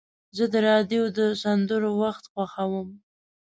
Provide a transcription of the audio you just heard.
زه د راډیو د سندرو وخت خوښوم.